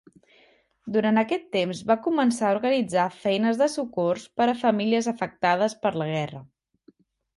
Durant aquest temps, va començar a organitzar feines de socors per a famílies afectades per la guerra.